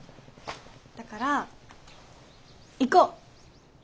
だから行こう！